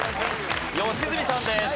良純さんです。